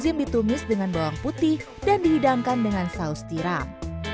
sayur ini lazim ditumis dengan bawang putih dan dihidangkan dengan saus tiram